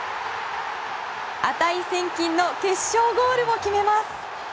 値千金の決勝ゴールを決めます。